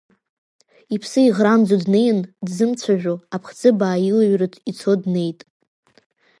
Иԥсы иӷрамӡо днеин, дзымцәажәо, аԥхӡы баа илыҩры ицо днеит.